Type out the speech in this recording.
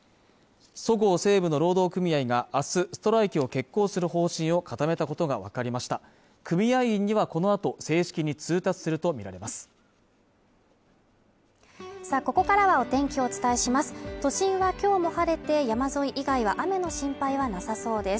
そごう・西武の労働組合があすストライキを決行する方針を固めたことが分かりました組合員にはこのあと正式に通達すると見られますさあ、ここからはお天気をお伝えします都心はきょうも晴れて山沿い以外は雨の心配はなさそうです